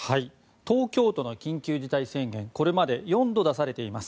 東京都の緊急事態宣言これまで４度出されています。